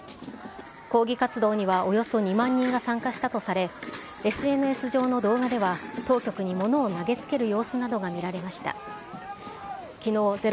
抗議活動にはおよそ２万人が参加したとされ、ＳＮＳ上の動画では、当局に物を投げつける様子などが見られました。